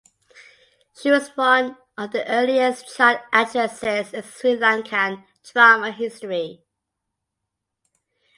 She was one of the earliest child actresses in Sri Lankan drama history.